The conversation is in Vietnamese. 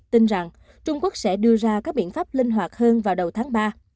tin rằng trung quốc sẽ đưa ra các biện pháp linh hoạt hơn vào đầu tháng ba